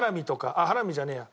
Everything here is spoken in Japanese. あっハラミじゃねえや。